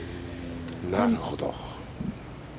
なるほど。